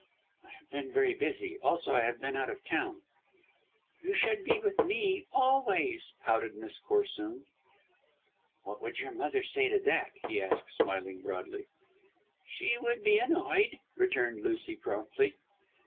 "I have been very busy, also I have been out of town." "You should be with me always," pouted Miss Corsoon. "What would your mother say to that?" he asked, smiling broadly. "She would be annoyed," returned Lucy promptly.